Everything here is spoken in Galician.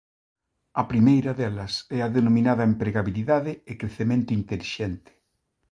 A primeira delas é a denominada empregabilidade e crecemento intelixente.